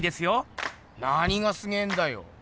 なにがすげえんだよ？